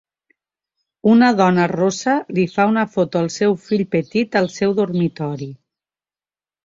Una dona rossa li fa una foto al seu fill petit al seu dormitori.